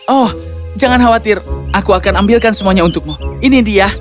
oh jangan khawatir aku akan ambilkan semuanya untukmu ini dia